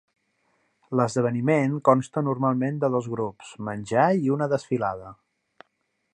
L'esdeveniment consta normalment de dos grups, menjar i una desfilada.